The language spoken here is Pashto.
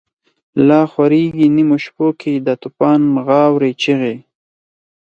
لا خوریږی نیمو شپو کی، دتوفان غاوری چیغی